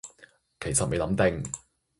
其實未諗定